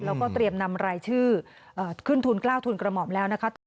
แล้วก็เตรียมนำรายชื่อขึ้นทุน๙ทุนกระหม่อมแล้วนะคะ